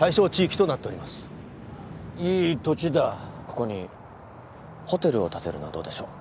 ここにホテルを建てるのはどうでしょう？